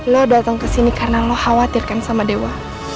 lo datang ke sini karena lo khawatirkan sama dewa